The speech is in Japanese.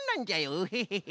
ウヘヘヘ。